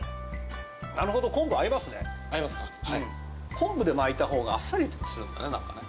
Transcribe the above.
昆布で巻いた方があっさりするんだななんかね。